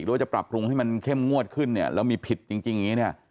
หรือว่าจะปรับปรุงให้มันเข้มงวดขึ้นแล้วมีผิดจริงอย่างนี้